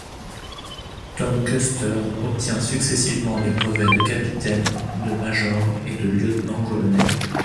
Tom Custer obtient successivement les brevets de capitaine, de major et de lieutenant-colonel.